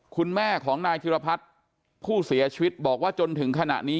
คุณแม่ของนายธิรพัฒน์ผู้เสียชีวิตบอกว่าจนถึงขณะนี้